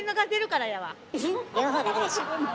両方出るでしょ。